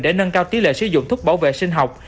để nâng cao tỷ lệ sử dụng thuốc bảo vệ sinh học